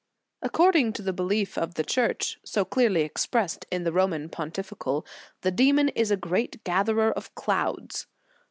* According to the belief of the Church, so clearly expressed in the Roman Pontifical, the demon is a great gatherer of clouds.